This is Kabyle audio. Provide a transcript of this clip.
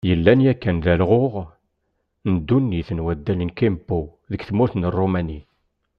Yellan yakan d alɣuɣ n ddunit n waddal n Kempo deg tmurt n Rumani.